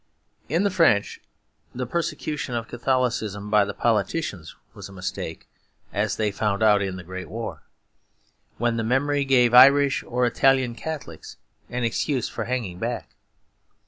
In the French the persecution of Catholicism by the politicians was a mistake, as they found out in the Great War; when the memory gave Irish or Italian Catholics an excuse for hanging back.